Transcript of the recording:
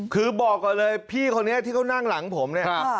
คือบอกก่อนเลยพี่คนนี้ที่เขานั่งหลังผมเนี่ย